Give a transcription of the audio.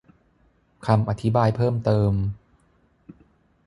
คำอธิบายเพิ่มเติม